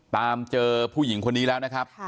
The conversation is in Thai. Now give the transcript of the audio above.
ตามเจอผู้หญิงคนนี้แล้วนะครับ